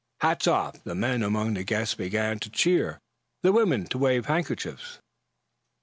Hats off, the men among the guests began to cheer, the women to wave handkerchiefs.